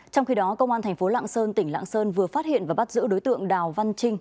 trong khi đó công an thành phố lạng sơn tỉnh lạng sơn vừa phát hiện và bắt giữ đối tượng đào văn trinh